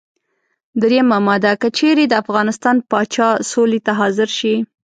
دریمه ماده: که چېرې د افغانستان پاچا سولې ته حاضر شي.